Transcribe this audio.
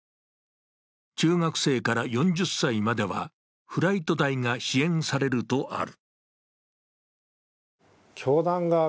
中学生から４０歳まではフライト代が支援されるとある。